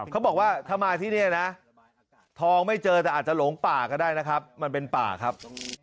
เขาบอกว่าถ้ามาที่นี่นะทองไม่เจอแต่อาจจะหลงป่าก็ได้นะครับมันเป็นป่าครับ